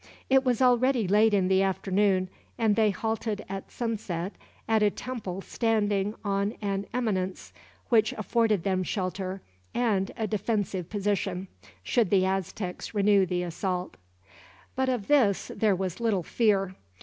It was already late in the afternoon, and they halted at sunset at a temple standing on an eminence, which afforded them shelter and a defensive position, should the Aztecs renew the assault. But of this there was little fear.